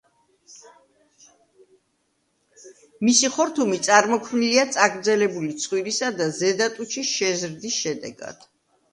მისი ხორთუმი წარმოქმნილია წაგრძელებული ცხვირისა და ზედა ტუჩის შეზრდის შედეგად.